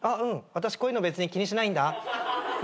私こういうの別に気にしないんだ。